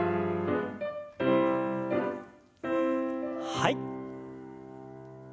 はい。